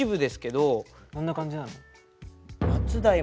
どんな感じなの？